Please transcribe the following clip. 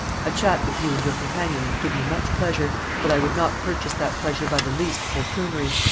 A chat with you and your companion would give me much pleasure, but I would not purchase that pleasure by the least poltroonery.